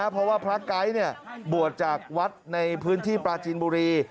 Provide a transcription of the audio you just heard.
เพราะว่าพระไก๊บวชจากวัดในพื้นที่ปลาจีนบุรี